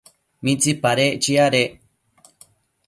¿mitsipadec chiadec